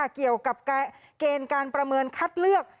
เกี่ยวกับเกณฑ์การประเมินคัดเลือก